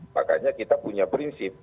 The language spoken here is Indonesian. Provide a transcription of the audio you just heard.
makanya kita punya prinsip